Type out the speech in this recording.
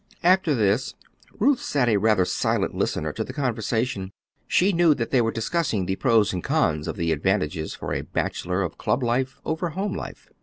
After this, Ruth sat a rather silent listener to the conversation. She knew that they were discussing the pros and cons of the advantages for a bachelor of club life over home life.